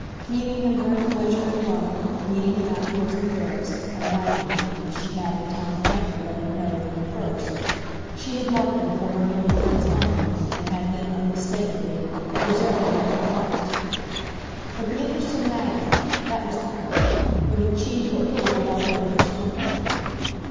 Meeting him during a winter in Rome, meeting him afterwards in Paris, and "liking" him, as she had in time frankly let him know from the first, she had marked him for her young friend's own and had then, unmistakably, presented him in a light. But the interest in Maggie that was the point would have achieved but little without her interest in HIM.